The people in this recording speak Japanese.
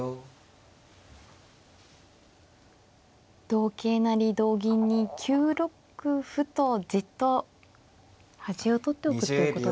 同桂成同銀に９六歩とじっと端を取っておくということですか。